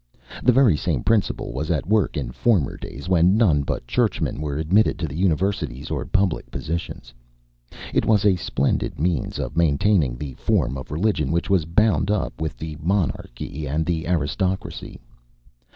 The very same principle was at work in former days, when none but Churchmen were admitted to the universities or public positions. It was a splendid means of maintaining the form of religion which was bound up with the monarchy and the aristocracy.